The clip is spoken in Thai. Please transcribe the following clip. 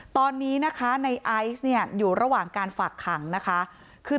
ตอนนี้นะคะในไอซ์อยู่ระหว่างการฝากขังคือ